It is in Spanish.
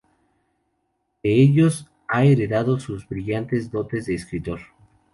De ellos ha heredado sus brillantes dotes de escritor.